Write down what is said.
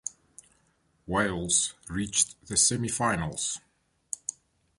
Wales reached the semi-finals.